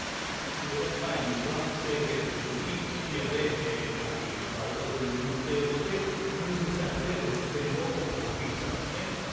１４年前にトランプ政権のときに、シリアで化学兵器が使われたと認定してクルーズミサイルで拠点を爆撃したんですね。